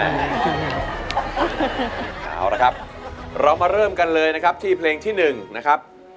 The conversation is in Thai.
เอาละครับเรามาเริ่มกันเลยที่เพลงที่หนึ่งนะครับ